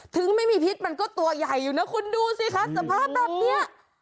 ถึงไม่มีพิษมันก็ตัวใหญ่อยู่นะคุณดูสิคะสภาพแบบนี้